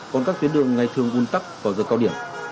còn các tuyến đường ngày thường ùn tắc vào giờ cao điểm